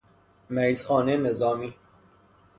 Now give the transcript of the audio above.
مریض خانه نظامی